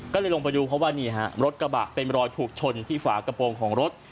ก็เลยลงไปดูเพราะว่านี่ฮะรถกระบะเป็นรอยถูกชนที่ฝากระโปรงของรถ